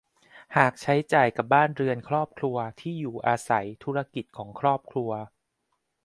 หากใช้จ่ายกับบ้านเรือนครอบครัว ที่อยู่อาศัย ธุรกิจของครอบครัว